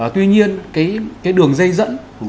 tuy nhiên cái đường dây dẫn